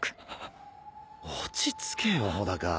落ち着けよ帆高。